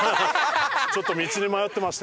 ちょっと道に迷ってまして。